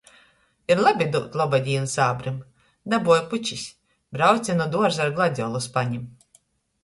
Ir labi dūt lobadīnu sābrim. Dabuoju pučis. Brauce nu duorza ar gladiolu spanim.